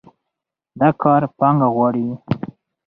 دا کار پانګه غواړي.